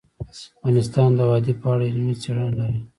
افغانستان د وادي په اړه علمي څېړنې لري.